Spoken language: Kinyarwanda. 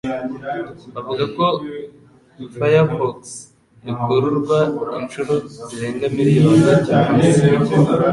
Bavuga ko Firefox ikururwa inshuro zirenga miliyoni kumunsi.